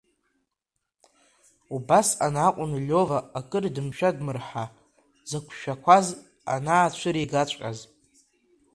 Убасҟан акәын Лиова акыр дымшәа-дмырҳа дзықәшәақәаз анаацәыригаҵәҟьаз.